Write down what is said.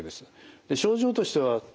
症状としては熱。